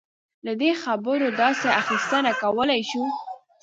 له دې خبرو داسې اخیستنه کولای شو.